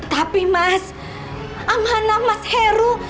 tapi mas amanah mas heru